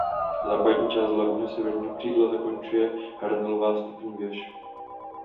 Západní část hlavního severního křídla zakončuje hranolová vstupní věž.